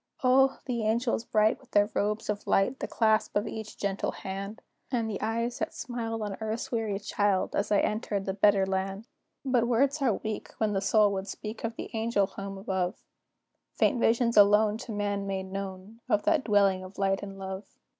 O! the angels bright, with their robes of light, The clasp of each gentle hand, And the eyes that smiled on earth's weary child, As I entered the better land! But words are weak when the soul would speak Of the angel home above; Faint visions alone are to man made known, Of that dwelling of light and love.